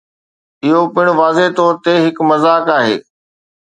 اهو پڻ واضح طور تي هڪ مذاق آهي.